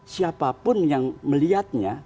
siapapun yang melihatnya